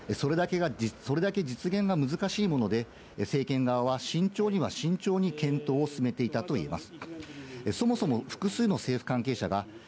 それだけ実現が難しいもので、政権側は慎重には慎重に検討を進めていたといえます。